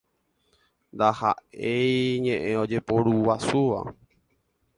Ndaha'éi ñe'ẽ ojeporuguasúva.